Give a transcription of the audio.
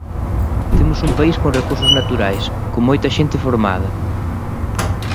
Temos un país con recursos naturais, con moita xente formada.